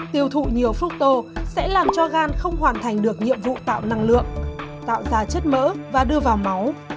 tiêu thụ nhiều photo sẽ làm cho gan không hoàn thành được nhiệm vụ tạo năng lượng tạo ra chất mỡ và đưa vào máu